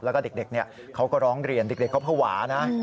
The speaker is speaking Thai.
แล้วก็เด็กเขาก็ร้องเรียนเด็กเขาภาวะนะ